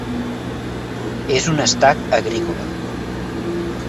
És un estat agrícola.